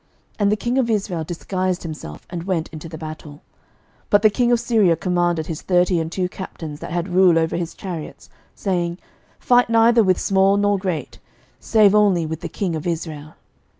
And the king of Israel disguised himself, and went into the battle. 11:022:031 But the king of Syria commanded his thirty and two captains that had rule over his chariots, saying, Fight neither with small nor great, save only with the king of Israel.